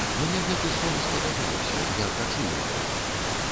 Мне гэты сон спадабаўся, я хачу яго.